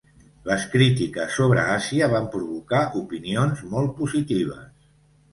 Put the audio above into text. Les crítiques sobre Àsia van provocar opinions molt positives.